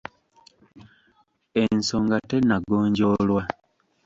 Ensonga tennagonjoolwa.